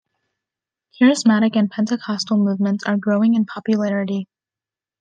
Charismatic and Pentecostal movements are growing in popularity.